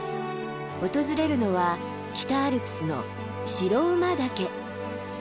訪れるのは北アルプスの白馬岳。